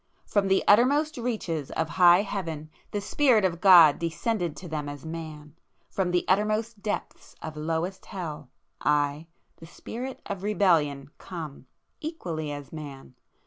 From the uttermost reaches of high Heaven the Spirit of God descended to them as Man,—from the uttermost depths of lowest Hell, I, the Spirit of Rebellion, come,—equally as Man!